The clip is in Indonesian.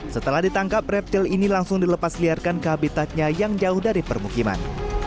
setelah ditangkap reptil ini langsung dilepasliarkan ke habitatnya yang jauh dari permukiman